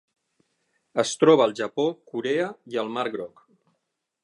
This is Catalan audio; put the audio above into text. Es troba al Japó, Corea i el Mar Groc.